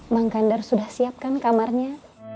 mangkandar sudah siapkan kamarnya